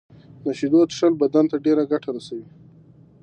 د شېدو څښل بدن ته ډيره ګټه رسوي.